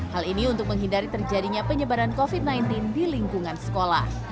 hal ini untuk menghindari terjadinya penyebaran covid sembilan belas di lingkungan sekolah